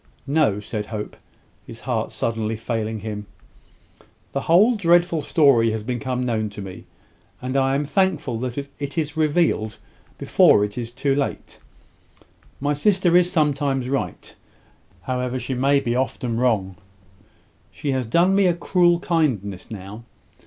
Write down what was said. "No," said Hope, his heart suddenly failing him. "The whole dreadful story has become known to me; and I am thankful that it is revealed before it is too late. My sister is sometimes right, however she may be often wrong. She has done me a cruel kindness now.